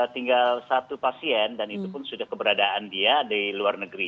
tinggal satu pasien dan itu pun sudah keberadaan dia di luar negeri